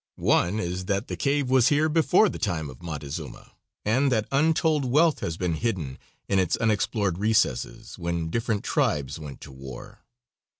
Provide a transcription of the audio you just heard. One is that the cave was here before the time of Montezuma, and that untold wealth has been hidden in its unexplored recesses when different tribes went to war.